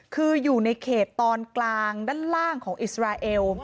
คืออยู่ในเขตตอนกลางด้านล่างของอิสราเอล